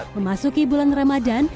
memasuki bulan ramadan